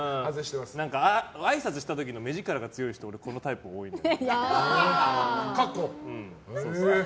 あいさつした時の目力が強い人このタイプ多いと思う。